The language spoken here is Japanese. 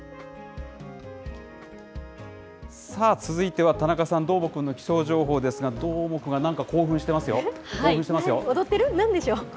さあ、続いては田中さん、どーもくんの、気象情報ですが、どーもくんがなんか興奮してますよ、興踊ってる？